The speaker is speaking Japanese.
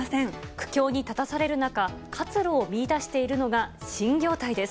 苦境に立たされる中、活路を見いだしているのが新業態です。